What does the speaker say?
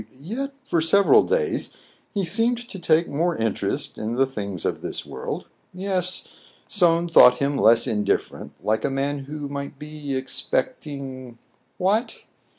Yet for several days he seemed to take more in terest in the things of this world. Yes, Soun thought him less indifferent, like a man who might be expecting — what